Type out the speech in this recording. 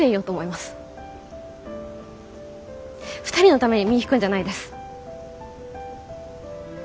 ２人のために身引くんじゃないんです。